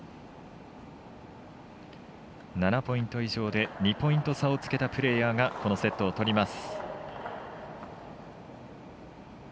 ７ポイント以上で２ポイント差つけたプレーヤーがこのセットを取ります。